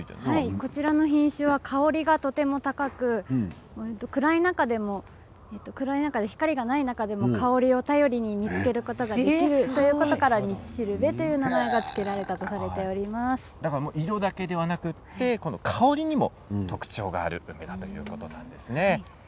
こちらの品種は香りがとても高く暗い中でも、光がない中でも香りを頼りに見つけることができるということから道知辺という名前が色だけではなく香りに特徴があるということですね。